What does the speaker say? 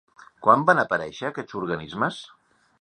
Quan van aparèixer aquests organismes?